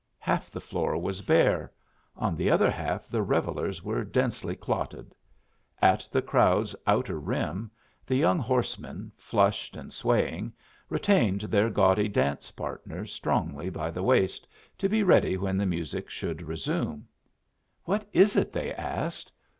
Half the floor was bare; on the other half the revellers were densely clotted. At the crowd's outer rim the young horsemen, flushed and swaying, retained their gaudy dance partners strongly by the waist, to be ready when the music should resume. "What is it?" they asked.